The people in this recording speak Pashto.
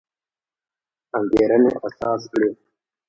انګېرنې اساس کړی.